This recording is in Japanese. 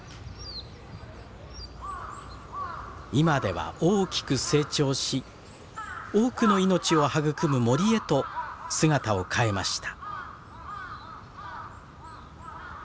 今では大きく成長し多くの命を育む森へと姿を変えました。